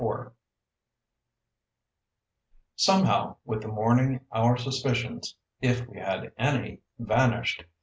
IV Somehow, with the morning our suspicions, if we had any, vanished.